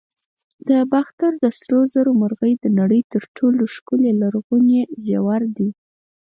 د باختر د سرو زرو مرغۍ د نړۍ تر ټولو ښکلي لرغوني زیور دی